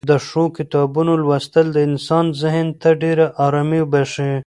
د ښو کتابونو لوستل د انسان ذهن ته ډېره ارامي بښي.